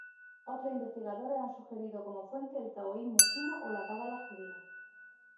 Otros investigadores han sugerido como fuente el taoísmo chino o la cábala judía.